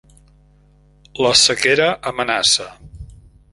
La sequera amenaça.